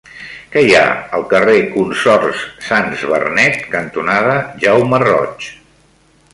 Què hi ha al carrer Consorts Sans Bernet cantonada Jaume Roig?